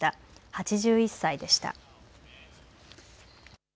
８１歳でした。